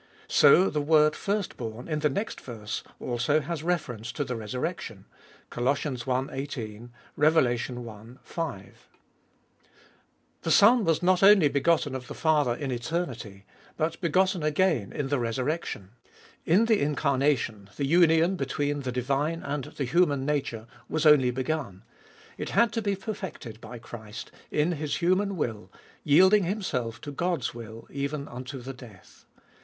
So the word firstborn in the next verse also has reference to the resurrection (Col. i. 18 ; Rev. i. 5). The Son was not only Cbe Ibollest of BU begotten of the Father in eternity, but begotten again in the resurrection. In the incarnation the union between the divine and the human nature was only begun : it had to be perfected by Christ, in His human will, yielding Himself to God's will even unto the death.